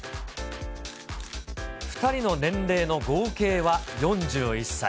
２人の年齢の合計は４１歳。